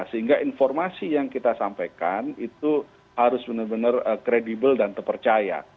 sehingga informasi yang kita sampaikan itu harus benar benar kredibel dan terpercaya